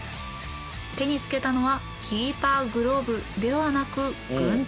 手につけたのはキーパーグローブではなく軍手。